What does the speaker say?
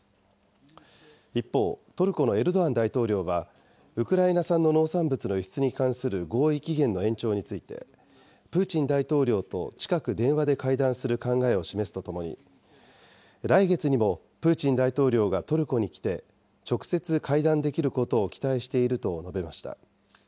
一方、トルコのエルドアン大統領は、ウクライナ産の農産物の輸出に関する合意期限の延長について、プーチン大統領と近く電話で会談する考えを示すとともに、来月にもプーチン大統領がトルコに来て、直接会談できることを期待していると述べました。